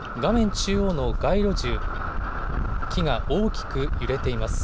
中央の街路樹、木が大きく揺れています。